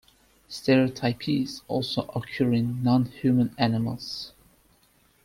Stereotypies also occur in non-human animals.